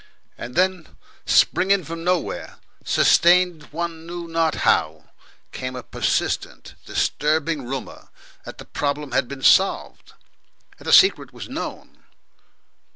And then, springing from nowhere, sustained one knew not how, came a persistent, disturbing rumour that the problem had been solved, that the secret was known.